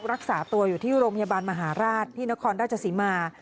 รักษาตัวอยู่ที่โรงพยาบาลมหาราชที่นครราชศรีมา